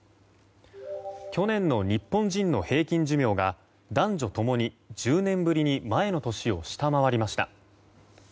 去年の日本人の平均寿命が男女共に１０年ぶりに前の年を下回りました。